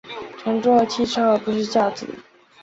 乘坐汽车而不是轿子